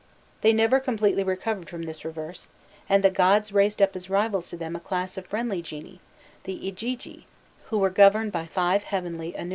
They never completely recovered from this reverse, and the gods raised up as rivals to them a class of friendly genii the "Igigi," who were governed by five heavenly Anunnas.